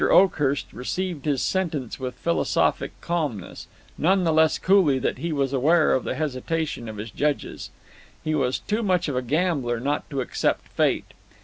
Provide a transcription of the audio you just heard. Oakhurst received his sentence with philosophic calmness, none the less coolly that he was aware of the hesitation of his judges. He was too much of a gambler not to accept Fate.